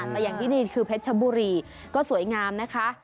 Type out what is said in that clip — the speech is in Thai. แต่อย่างที่นี่คือเพชรชบุรีก็สวยงามนะคะ